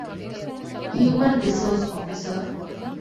ހިއުމަންރިސޯސް އޮފިސަރ